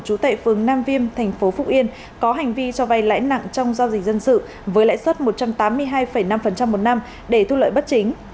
trú tại phường nam viêm thành phố phúc yên có hành vi cho vay lãi nặng trong giao dịch dân sự với lãi suất một trăm tám mươi hai năm một năm để thu lợi bất chính